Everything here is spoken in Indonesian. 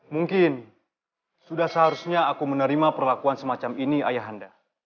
mungkin sudah seharusnya aku menerima perlakuan semacam ini ayah anda